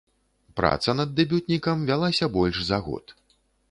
Праца над дэбютнікам вялася больш за год.